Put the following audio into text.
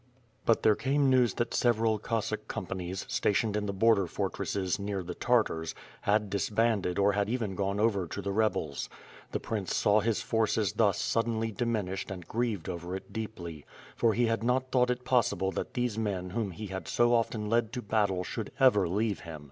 But there came news that several Cossack companies, sta tioned in the border fortresses, near the Tartars, had dis banded or had even gone over to the rebels. Tlie prince saw his forces thus suddenly diminished and grieved over it deeply; for he had not thought it possible that these men whom he had so often led to battle should ever leave him.